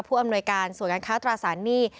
อำนวยการส่วนการค้าตราสารหนี้